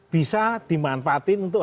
bisa dimanfaatin untuk